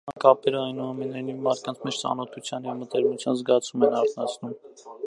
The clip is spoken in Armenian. Նման կապերը, այնուամենայնիվ, մարդկանց մեջ ծանոթության և մտերմության զգացում են արթնացնում։